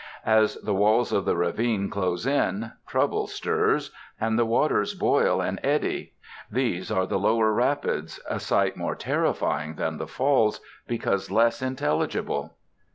As the walls of the ravine close in, trouble stirs, and the waters boil and eddy. These are the lower rapids, a sight more terrifying than the Falls, because less intelligible.